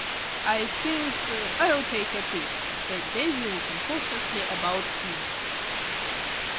"I think I'll take a peep," said Davy, looking cautiously about him.